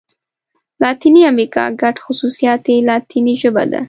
لاتیني امريکا ګډ خوصوصیات یې لاتيني ژبه ده.